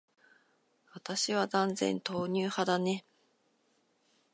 私は断然、豆乳派だね。